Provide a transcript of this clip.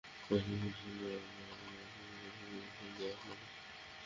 নিজেদের সুবিধার জন্য আপনারা যদি ভুল-ভাল ব্যাখ্যা করেন সেই দায় আপনাদের।